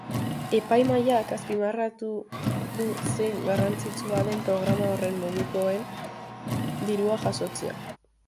Epaimahaiak azpimarratu du zein garrantzitsua den programa horren modukoek dirua jasotzea.